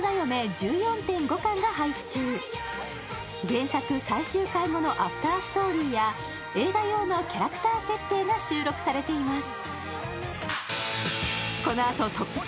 原作最終回後のアフターストーリーや映画用のキャラクター設定が収録されています。